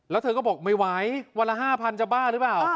แล้วเธอก็บอกไม่ไหววันละ๕๐๐จะบ้าหรือเปล่า